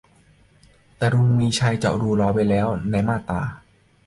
แต่ลุง มีชัย เจาะรูรอไว้แล้วในมาตรา